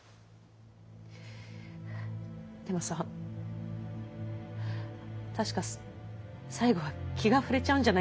でもさ確か最後は気がふれちゃうんじゃないんだっけ。